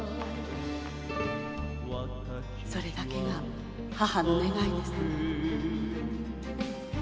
「それだけが母の願いです」